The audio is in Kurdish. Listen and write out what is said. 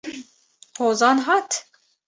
Hozan hat?